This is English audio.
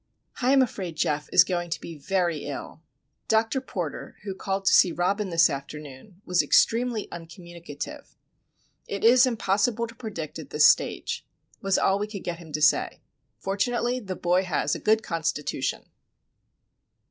I am afraid Geof is going to be very ill. Dr. Porter, who called to see Robin this afternoon, was extremely uncommunicative. "It is impossible to predict at this stage," was all we could get him to say. "Fortunately, the boy has a good constitution."